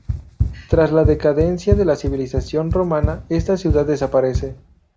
Tras la decadencia de la civilización romana, esta ciudad desaparece.